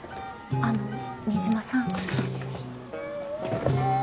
あの新島さん